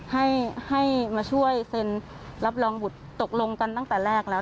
ให้ให้มาช่วยเซ็นรับรองบุตรตกลงกันตั้งแต่แรกแล้ว